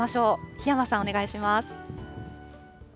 檜山さん、お願いします。